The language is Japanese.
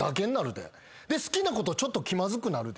で好きな子とちょっと気まずくなるで。